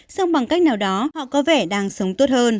xong bằng cách nào đó họ có vẻ đang sống tốt hơn